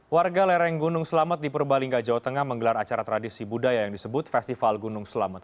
warga lereng gunung selamet di purbalingga jawa tengah menggelar acara tradisi budaya yang disebut festival gunung selamet